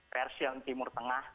pers yang timur tengah